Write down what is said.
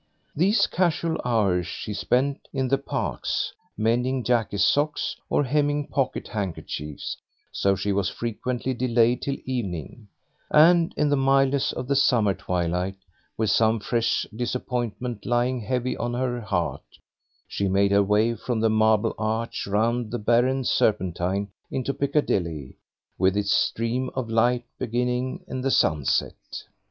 These casual hours she spent in the parks, mending Jackie's socks or hemming pocket handkerchiefs, so she was frequently delayed till evening; and in the mildness of the summer twilight, with some fresh disappointment lying heavy on her heart, she made her way from the Marble Arch round the barren Serpentine into Piccadilly, with its stream of light beginning in the sunset.